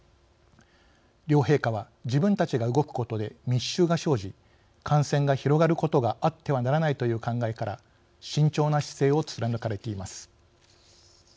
両陛下は自分たちが動くことで密集が生じ感染が広がることがあってはならないという考えから慎重な姿勢を貫かれています。